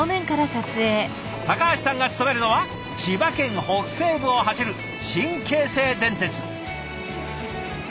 橋さんが勤めるのは千葉県北西部を走る新京成電鉄。